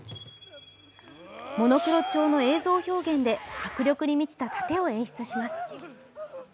モノクロ調の映像表現で迫力に満ちた殺陣を演出します。